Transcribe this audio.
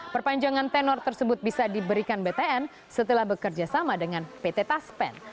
perpanjangan tenor tersebut bisa diberikan btn setelah bekerja sama dengan pt taspen